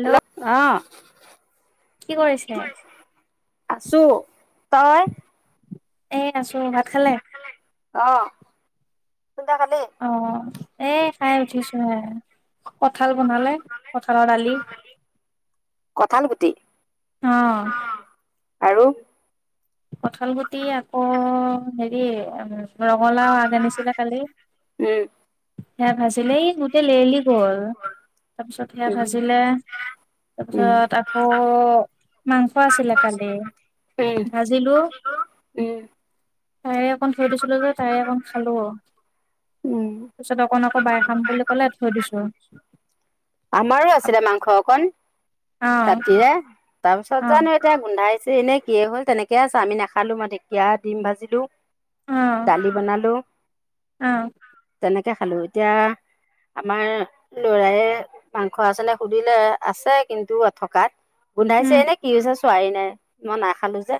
Hello অহ কি কৰিছে। আছো তই। এ আছো ভাত খালে? অহ। অহ, এ খাই উঠিছো হে। কঁঠাল বনালে কঠালৰ দালি। কঠাল গুটি। অহ। আৰু। কঁঠাল গুটি আকৌ হেৰি ৰঙালাও আগ। আনিছিলে কালি উম সেই ভাজি। ভাজিলে এই গোটেই লেলি গ'ল তাৰ পিছত সেয়া উম ভাজিলে। তাৰ উম উম পিছত আকৌ মাংস আছিলে কালিৰ। উম। তাৰে অকন থৈ দিছিলো যে। তাৰে অকন খালো আৰু। উম তাৰ পাছত অকণ আকৌ বাই খাম বুলি ক'লে থৈ দিছোঁ আৰু। আমাৰো আছিলে মাংস অকণ। ৰাতিহে তাৰপিছত অ জানো এতিয়া গোন্ধাই এনেই কিয়ে হ'ল? তেনেকে আছে। আমি নাখালোঁ। মই ঢেকীয়া, দিম ভাজিলোঁ। অ দালি বনালোঁ। অ সেনেকে খালোঁ এতিয়া আমাৰ লৰায়ে মাংস আছেনে সুধিলে আছে কিন্তু থকাত গোন্ধাইছে উম এনে কি হৈছে ছোৱাহী নাই মই নাখালো যে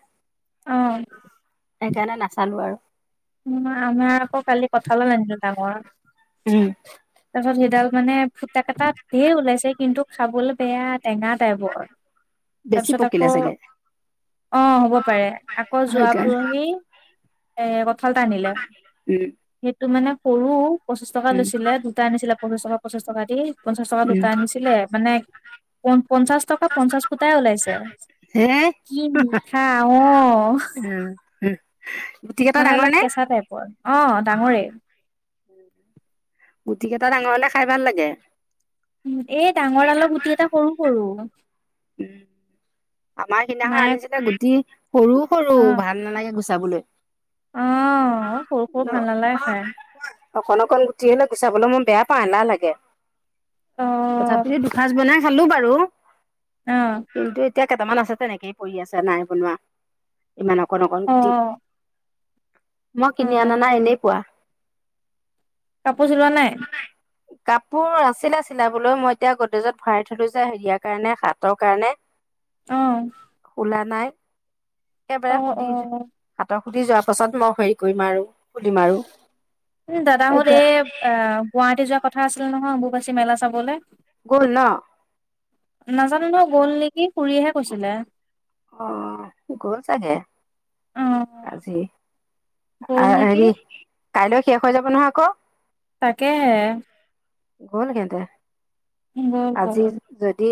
অ সেইকাৰণে নাচালো আৰু কঠালৰ [unintelligible] ডাঙৰ উম, তাছত সেইডাল মানে ফুটা কেটাত ত ধঢেৰ ওলাইছে কিন্তু খাবলৈ বেয়া টেঙা টাইপৰ বেছি তাৰপিছত পকিলে আকৌ চাগে অ', হ'ব পাৰে। আকৌ, যোৱা সেইকাৰণে পৰহি এ, কঁঠাল এটা আনিলে, উম সেইটো মানে সৰু পঁচিছ টকা উম লৈছিলে দুটা আনিছিলে পঁচিছ টকা পঁচিছ টকা দি পঞ্চাশ টকা উম দুটা আনিছিলে মানে পন -পঞ্চাশ টকা পঞ্চাশ ফুটাই ওলাইছে। হে কি মিঠা, অ'! উম উম গুটি কেইটা মানে, ডাঙৰ অলপ নে কেঁচা টাইপৰ। অ', ডাঙৰেই। গুটি কেইটা ডাঙৰ হ'লে, খাই ভাল লাগে। উম, এই ডাঙৰ ডালৰ গুটি এটা, সৰু-সৰু আমাৰ সিদিনাখন মায়ে আনিছিলে, গুটি সৰু-সৰু, অ ভাল নালাগে গুচাবলৈ। অ', সৰু-সৰু ভাল নালাগে খাই। অকন অকণ গুটি হলে গুচাবলৈ মই বেয়া পাওঁ এলাহ লাগে তথাপি অ', দুসাঁজ বনাই খালো বাৰু। অ'। কিন্তু এতিয়া কেইটামান আছে তেনেকেই পৰি আছে নাই বনোৱা ইমান অকন অকন গুটি অ', মই কিনি অনা অ', নাই এনেই পোৱা কাপোৰ চিলোৱা নাই কাপোৰ আছিলে চিলাবলৈ মই এতিয়া গদেজত ভৰাই থলো যে হেৰিয়াৰ কাৰণে হাতৰ কাৰণে অহ লা নাই একবাৰে সুধি অ', হাতক সুধি যোৱাৰ পাছত মই হেৰি কৰি মাৰোঁ খুলি মাৰোঁ উম, দাদাহত এই, আ, গুৱাহাটী যোৱা কথা আছিলে নহয়, অম্বুবাচী মেলা চাবলে গল ন নাজানো, ন গ'ল নেকি? খুড়ীয়েহে কৈছিলে। অ', গ'ল চাগে। অ', আজি গ'ল নেকি হেৰি কাইলৈ শেষ হৈ যাব নহয় আকৌ তাকেহে গ'ল সিহঁতে, গ'ল আজি গ'ল যদি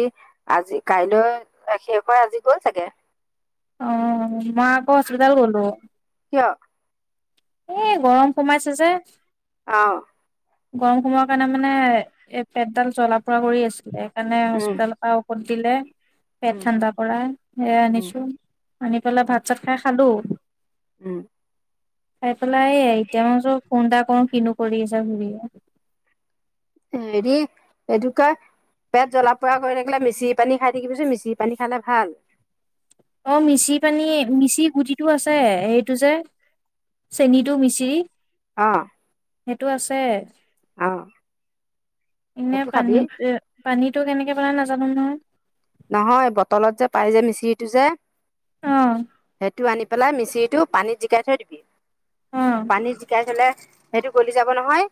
আজি কাইলৈ ৰখি আকৌ আজি গল চাগে অ মই আকৌ হস্পিটল গ'লো কিয়? এ, গৰম সোমাইছে যে অহ গৰম সময়ৰ কাৰণে মানে এ পেটডাল জ্বলা ফুৰা কৰি আছিলে সেইকাৰণে উম হস্পিতালৰ পৰা ঔধ দিলে উম পেট ঠাণ্ডা কৰা সেয়া উম আনিছো আনি পেলাই অ ভাত চাত খাই খালো উম। খাই পেলাই। এই, এতিয়া মই [unintelligible] ফোন এটা কৰোঁ কিনো কৰি আছা বুলি নো? হৰি এটোৱে পেট জ্বলা-পোৰা কৰি থাকিলে, মিচিৰি পানী খাই দিবিচোন। মিচিৰি পানী খালে ভাল অ', মিচি পানী। মিচি গুটিটো আছে সেইটো যে চেনিটো মিচিৰি আহ। সেইটো আছে এনে সেইটো খাবি পানীত পানীত টো কেনেকে বনাই নাজানোঙ নহয়। নহয় বটলত যে পাই যে মিচিৰিটো যে অহ। টো আনি পেলাই মিচিৰিটো পানীত জিকাই থৈ দিবি, অ পানীত জিকাই থলে সেইটো গলি যাব নহয়,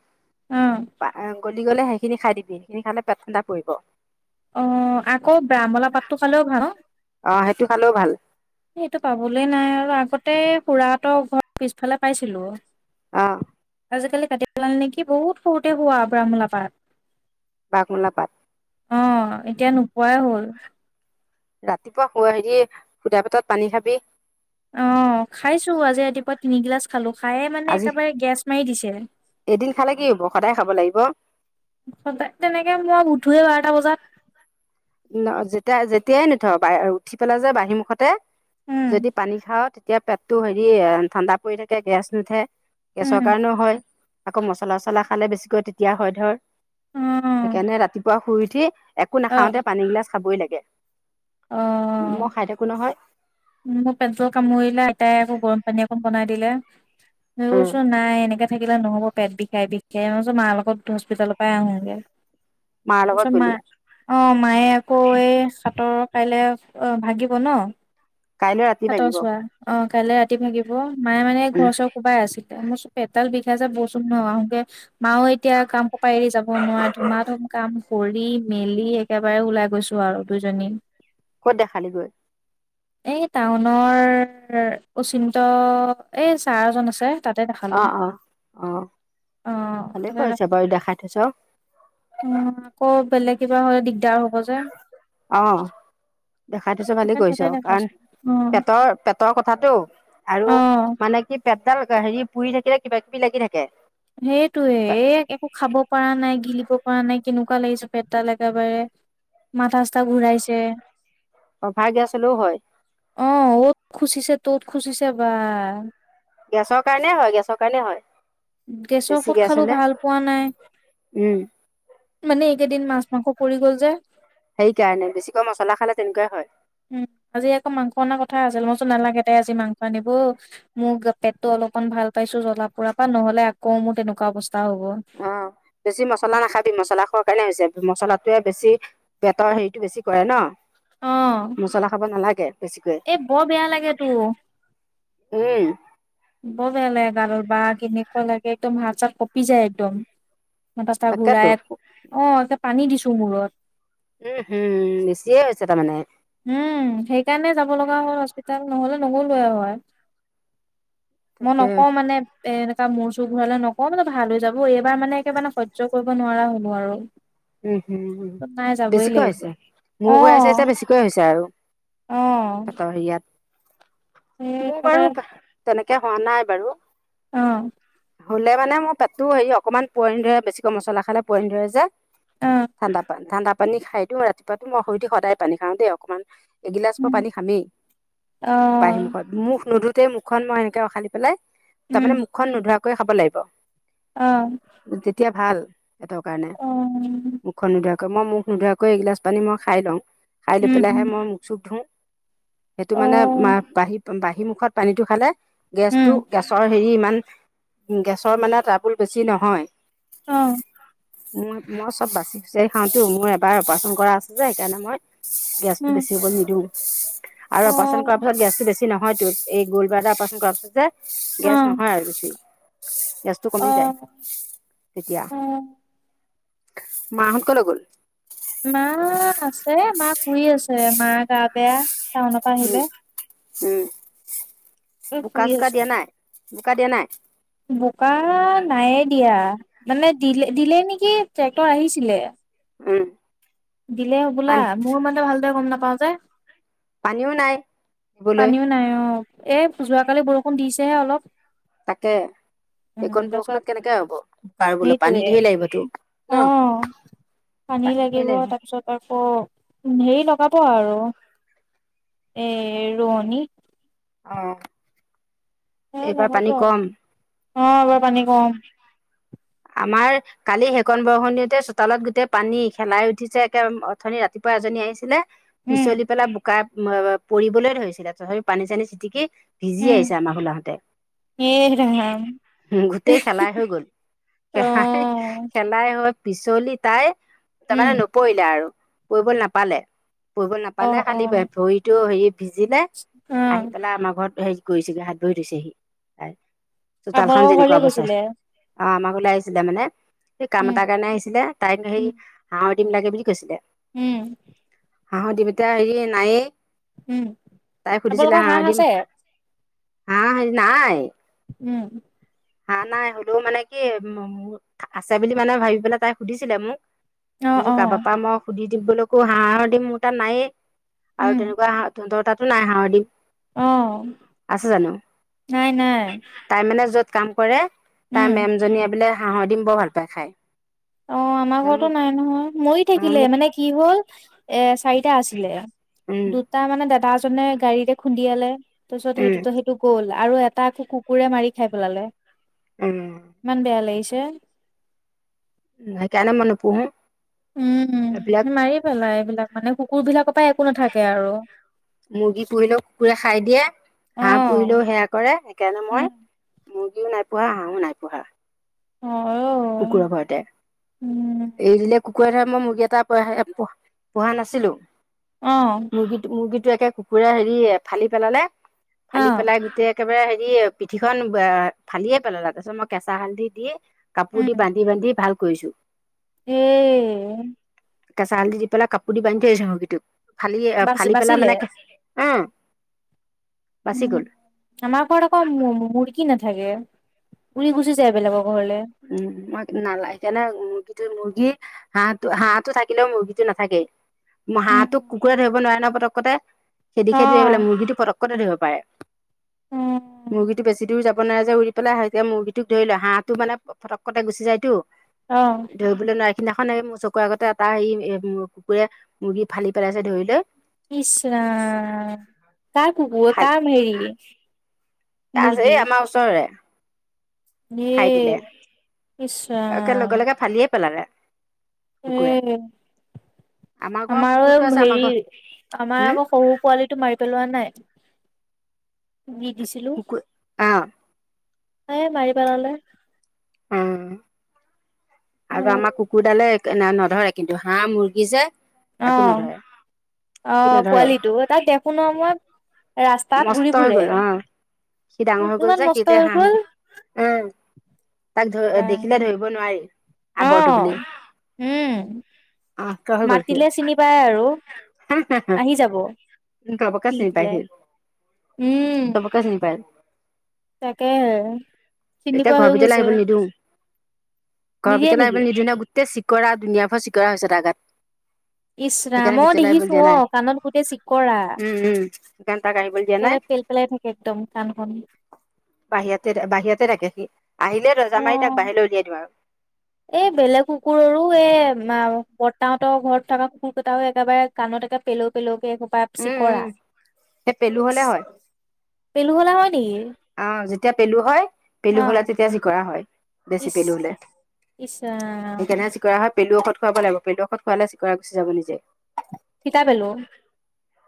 অ পা গল তুলি গ'লে সেইখিনি খাই দিবি সেইখিনি খালে পে ঠাণ্ডা পৰিব। অ আকৌ বেয়ামলা পাতটো খালেও ভাল। অ সেইটো খালেও ভাল। সেটো পাবলে নাই আৰু আগতে খুৰাহঁতৰ ঘৰ পিছফালে পাইছিলো। অ আজিকালি কাটি পেলাল নেকি বহুত সৰুতে হোৱা ব্ৰ্হমলাাপাত। বাগুনা পাট। অ এতিয়া নোপোৱাই হ'ল ৰাতিপুৱা শ হেৰি সুদা পেতত পানী খাবি। অ খাইছো আজি ৰাতিপুৱা তিনিগিলাচ খালো খায়ে মানে আজি একেবাৰে গেছ মাৰি দিছে। এদিন খালে কি হব সদায় খাব লাগিব। সদায় তেনেকে মই উঠোৱেই বাৰটা বজাত ন যেতিয়া যেতিয়াই নুথ উঠি পেলাই যে বাহিৰ মুুখতে উম, যদি পানী খাওঁ তেতিয়া পেটটো হেৰি ঠাণ্ডা পৰি থাকে গেছ নুঠে। গেছৰ উম, কাৰণেও হয় আকৌ মছলাচলা খালে বেছিকৈ তেতিয়া হয় ধৰ। অ', সেইকাৰণে ৰাতিপুৱা শুই উঠি একো অ', নাখাওঁতে পানী গিলাচ খাবই লাগে। অ', মই খাই থাকো নহয়। মোৰ পেটবোৰ কামুৰিলে আইতাই আকৌ গৰম পানী অকণ বনাই দিলে। উম কছোন নাই এনেকাে থাকিলে নহ'ব পেট বিষাই বিষাই মো মাৰ লগত হস্পিিতালৰ পৰাই আহোগে। মাৰ লগত তাৰপিছত গলি মাই অ মায়ে আকৌ এই সাতৰ কাইলে অ ভাগিব ন কাইলৈ ৰাতি হাতৰ ভাগিব চোৱা অ কাইলে ৰাতি থাকিব মায়ে মানে উম ঘৰ চৰ কোবাই আছিলে মোৰ চকুৰ এটা বিষাই যে বচু ন আহঁগে। মাও এতিয়া কাম ক পাই এৰি যাব নোৱাৰে ধুমা ধুম কাম কৰি মেলি একেবাৰে ওলাই গৈছো আৰু দুজনী। ক'ত দেখালি গৈ? এই টাউনৰ উচিন্ত এই ছাৰজন আছে। তাতে দেখালো অ অ অ আহ ভালেই তাতে কৰিছ দেখা বাৰু দেখাই থৈছ উম আকৌ বেলেগ কিবা হলে দিগদাৰ হব যে। অ দেখাই থছো ভালেই সেইকাৰণে তাতে কৰিছো দেখাইছো কাৰণ অ পেটৰ পেটৰ কথাটো অ আৰু মানে কি পেটডাল হেৰি পুৰি থাকিলে কবা কিবি লাগি থাকে। সেইটোয়ে এ একো খাব পৰা নাই গিলিব কৰা নাই কেনেকুৱা লাগিছে পেটডাল একেবাৰে মাথা চাথা ঘূৰাইছে। অভা গেছ হ'লেও হয়। অ অ'ত খুচিছে ত'ত খুচিছে বা। গেছৰ কাৰণে হয় গেছৰ কাৰণে হয়। গেছৰ বেছি ঔষধ গেছ খালো হলে ভাল পোৱা নাই। উম মানে এইকেইদিন মাছ মাংস কৰি গ'ল যে। সেইকাৰণে বেছিকৈ মছলা খালে তেনেকুৱাই হয়। উম আজি আকৌ মাংস অনা কথা আছিল মই। নালাগে ত আজি মাংস আনিব মোৰ পেটতটো অলপমান ভাল পাইছো জ্বলা পৰা পৰা নহ'লে আকৌ মোৰ তেনেকুৱা অবস্থা অ' বেছি মছলা নাখাবি মছলা খোৱাৰ কাৰণে হৈছে। মছলাটোয়ে বেছি বেতৰ হেৰিতটো বেছি কৰে ন অ মছলা খাব নালাগে। বেছিকৈ এ বৰ বেয়া লাগে তো। উম ক বেলে গাল বা কেনেকুৱা লাগে একদম হাত চাৰ কপি যায় একদম। ম তটা ঘূৰাই তাকেতো আকৌ অ' এয়া পানী দিছো মূৰত। উম, হম বেছিয়ে হৈছে তাৰমানে। উম, সেইকাৰণে যাব লগা হল হস্পিতাল নহ'লে নগ লো হয়। মই তাকে নকওঁ মানে এ। ত মূৰচোৰ ঘূৰালে নকওঁ মানে ভাল হৈ যাব এইবাৰ মানে একেবাৰে সয়জ্য কৰিব নোৱাৰা হলো আৰু। উম', হম উম, নাই যাবই বেছিকৈ লাগিব হৈছে অ মোৰ ঘূৰাইছে এতিয়া বেছিকৈ হৈছে আৰু তাপৰ হেৰীয়াত। উম, তব তেনেকে হোৱা নাই বাৰু। অহ হ'লে মানে মোৰ পেটটো হেৰি অকণমান পোৱি ধৰে বেছিকৈ মছলা খালে পোৱি ধৰে যে। অ ঠাণ্ডা পানী ঠাণ্ড পানী খাই দিওঁ ৰাতিপুৱাাতো মই সু দি সদায় পানী খাও দেই অকণমান এগিলাচ ম উম পানী খামেই অ বাঁহী মুখত মুখ নুধোতেই মুখখন মই সেনেকে উখালি পেলাই। তাৰমানানে মুখখন নোধোৱাকৈ খাব লাগিব। অহ, তেতিয়া ভাল সিহঁতৰ কাৰণে মুখখন নোধোৱাকৈ মই মুখ নোধোৱাকৈ এগিলাচ পানী মই খাই লওঁ। খাই লৈ উম পেলাই আহে উম মই মুখ চুখ ধো। সেইটো অ মানে বাহী-বাহী মুখত পানীটো খালে গেছটো উম গেছৰ হেৰি ইমান গেছৰ মানে তাবোল বেছি নহয়। অ, মই-মই চব বাচি খুচাৰি খাওতো মোৰ এবাৰ অপাৰেচন কৰা আছে যে সেইকাৰণে মই। গেছতটো উম বেছি হ'ব নিদিওঁ। আৰু অ অপাৰচন কৰাৰ পাছত গেছটো বেছি নহয়তো এই গল বাৰ এটা অপাৰচন কৰাৰ পাছত যে। অ গেছ নহয় আৰু বেছি। গেছটো অ কমি যায় তেতিয়া। অ মাহঁত কলে গ'ল? মা আছে মা শুই আছে মা গা বেয়া টাউনৰ পৰা উম আহিলে। উম, বোকা শুই চোকা আছে দিয়া নাই বোকা দিয়া নাই। বোকা নাইে দিয়া মানে দিলে দিলে নেকি ট্ৰেক্টৰ আহিছিলে। উম, দিলেই হ'বোলা পানী মোৰ মানে ভালদৰে গম নাপাও যে। পানীও নাই। দিবলৈ পানীও নাই অ' এ যোৱাকালি বৰষুণ দিছেহে অলপ। তাকে। উম সেইখনণ তাৰপিছত বৰষুণত কেনেকে হব প বোল পানী সেইটোয়ে ধৰ লাগিবতো অ ন। পানী লাগিব তাৰ পিছত আকৌ। উ হেৰি লগাব আৰু এ ৰোৱনী। অহ, অ' নহব আৰু অ' এবাৰ পানী কম আমাৰ কালি সেইকন বৰষণিতে চোতালত গোটেই পানী খেলাই উঠিছে একে অথনি ৰাতিপুৱা এজনী আহিছিলে। উম পিছলি পেলা বোকা পৰিবলৈ ধৰিছিলে ত পানী চানী চিটিকি, ভিজি উম আহিছে আমাৰ ঘলৈ আহোতে। এই ৰাম গোটেই খেলাই হৈ গ'ল। অ সেলাই-সেলাই হৈ পিছলি তাই উম তাৰমানে নপৰিলে আৰু। পৰিব নাপালে পৰিব অ নাপালে অ খালি ভৰিতো হেৰি ভিজিলে অ আহি পেলাই আমাৰ ঘৰত হেৰি কৰিছেগৈ হাত বহি ধুছেহি তাই। চোতাল খ আপোনালোকৰ ঘৰলে যেনেকুৱা বচাই গৈছিলে অ' আমাক ওলাই আহিছিলে মানে সেই কাম উম এটাৰ কাৰণে আহিছিলে তাই সেই উম হাঁহৰ দিম লাগে বুলি কৈছিলে উম। হাঁহৰ দিম এতিয়া হেৰি উম নায়েই তাই সুধিছিলে আপোনালোকৰ হাঁহ হাঁহৰ দিম আছে? হা হৰি নাই উম হা নাই হলেও মানে কি আছে বুলি মানে ভাবি পেলাই তাই সুধিছিলে মোক অ', বুছো কাৰোাৰ পৰা অ', পৰা মই সুধি দিম বুলিলৈকো হাঁহ দিম মোৰ তাত নায়য়ে আৰু উম, তেনেকুৱা হ ধতাতো নাই হহদি অ', আছে জানো নাই নাই, তাই মানে য'ত কাম কৰে উম, তাৰ মেমজনীয়ে বোলে হাঁহৰ দিম বৰ ভাল পায় খায় অ' আমাৰ ঘো নাই নহয় মৰি থাকিলে মোক মানে কি হল এ এ আছিলে উম দুটা মানে দাদ এাজনে গাড়ীতে খুন্দিয়ালে তাৰপিছত উম সেইটোতো সেইটো গ'ল আৰু এটাো কুকুৰে মাৰি খাই পেলালে উম মন বয়া লেইছে ন কেনে মান প উম মাৰি পেলা এইবিলাক মানে কুকুৰবলাকৰ পৰা একো নাথাকে আৰু মুৰ্গী পুহলেেও কুকুৰে খাই দিয়ে হাঁহ অ', পুহলেও সেয়া কৰে সকাৰণে মই উম, মুৰ্গীও নাইপঢোৱাা হাঁহো নাইপঢ়া অ কুকুুৰ ঘাৰতে উম, এৰি দিলে কুকুৰে ধৰে মই মুৰ্গী এটা প-পো-পোহা নাছিলোঁ। অ', মুৰ্গীটো-মুৰ্গীটো একে কুকুৰে হেৰি ফালি পেলালে, ফালি অ', পেলাই গোটেই একেবাৰে হেৰি পিঠিখন বে-ফালিয়ে পেলালে, তাছত মই কেঁচা হালধি দি কাপোৰ দি বান্ধি, বান্ধি ভাল কৰিছোঁ। ইয়ে কেঁচা হালধি দি পেলাই কাপোৰ দি বান্ধি থৈ আহছে সহকীটোক ফালি বাচি ফালি পেলাই বাচিলে? মানে [unintelligible] উম গ'ল আমাৰ ঘৰত আকৌ মুৰ্গী নাথাকে উৰি গুচি যায় বেলেগক উম, [unintelligible] মুৰ্গী, হাঁহটো-হাঁহটো থাকিলেও মুৰ্গীটো নাথাকেই, উম, হাঁহটো, কুকুৰে ধৰিব নোৱাৰে নহয়‌, পত পটককতে খেদি, খেদি অ', [unintelligible] মুৰ্গীটো পটককতে ধৰিব পাৰে। উম, মুৰ্গীটো বেছি দূৰ যাব নোৱাৰে যে, উৰি পেলাই [unintelligible] মুৰ্গীটোক ধৰি লয়, হাঁহটো মানে ফটককতে গুচি যায়তো, অ', ধৰিবলৈ নোৱা সিদিনাখন এই মোৰ চকুৰ আগতে এটা হেৰি এই কুকুৰে মুৰ্গী ফালি পেলাইছে ধৰি লৈ ইচৰাম, কাৰ কুকুৰ? কাৰ হেৰি? এ আছে এই আমাৰ ওচৰৰে নে খাই দিলে একে লগে, লগে ফালিয়ে পেলালে। কুকুৰে এ আমাৰ ঘৰৰ আমাৰো কুকুৰটো আছে আমাৰ হেৰি, ঘৰ আমাৰ হম আকৌ সৰু পোৱালিটো মাৰি পেলোৱা নাই। দি দিছিলোঁ। কুকুৰ অ এই মাৰি পেলালে অ আৰু অ', আমাৰ কুকুৰদালে এ-নধৰে কিন্তু হাঁহ, মুৰ্গী যে একো অ', নধৰে সি অ', নধৰে পোৱালিটো, তাক দেখোঁ ন! মই। ৰাস্তাত ঘূৰি মস্ত হৈ ফুৰে। গ'ল, অ', সি ডাঙৰ হৈ গ'ল ইমান যে, সি মস্ত এতিয়া হৈ হাঁহ, গ'ল মুৰ্গী উম। তাক বা ধ-দেখিলে ধৰিব নোৱাৰি, আগৰতো অ'। বুলি। উম, অ হৈ গ'ল সি মাতিলে চিনি পায় আৰু। আহি যাব। চবকে চিনি পাই সি। উম, চবকে চিনি পায়। তাকে চিনি পোৱা হৈ গৈছে। ঘৰ নিদিয়ে ভিতৰলে আহিব নেকি? নিদিবি। গোটেই চিকৰা দুনিয়া ভৰ চিকৰা হৈছে তাৰ গাত। ইচ্ সেইকাৰণে ৰাম অ, ভিতৰলৈ আহিবলৈ দেখিছো দিয়া অ নাই কাণত গোটেই চিকৰা। উম উম সেইকাৰণে তাক আহিবলৈ দিয়া নাই একেবাৰে পেল পেলাই থাকে একদম কাণখন। বাহিৰতে আহিলে দৰ্জা মাৰি তাক অ' বাহিৰলৈ উলিয়াই দিওঁ আৰু। এই বেলেগ কুকুৰৰো এই বৰতাহঁতৰ ঘৰত থকা কুকুৰ কেইটাও একেবাৰে কাণত পেলও-পেলওকে এখোপা উম চিকৰা। উম সেই পেলু হলে হয় পেলু হলে হয় নেকি? অ, যেতিয়া পেলু হয় পেলু অ' হ'লে তেতিয়া চিকৰা হয়। বেছি ইচ পেলু হ'লে ইচ ৰাম সেইকাৰণে চিকৰা হয়। পেলু ঔষধ খুৱাব লাগিব, পেলু ঔষধ খোৱালে চিকৰা গুচি যাব নিজে। ফিটা পেলু।